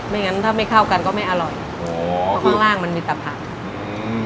งั้นถ้าไม่เข้ากันก็ไม่อร่อยข้างล่างมันมีแต่ผักอืม